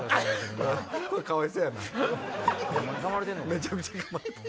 めちゃくちゃ噛まれてる。